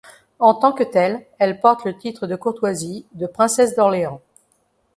En tant que telle, elle porte le titre de courtoisie de princesse d'Orléans.